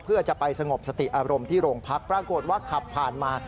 เพื่อจะไปสงบสติอารมณ์ที่โรงพักปรากฏว่าขับผ่านมา